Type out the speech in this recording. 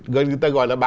người ta gọi là